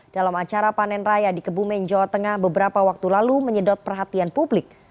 dalam acara panen raya di kebumen jawa tengah beberapa waktu lalu menyedot perhatian publik